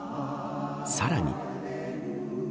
さらに。